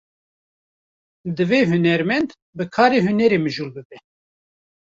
Divê hunermend, bi karê hunerê mijûl bibe